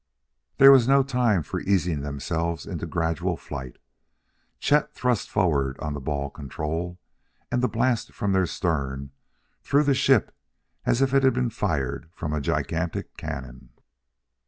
There was no time for easing themselves into gradual flight. Chet thrust forward on the ball control, and the blast from their stern threw the ship as if it had been fired from a giant cannon.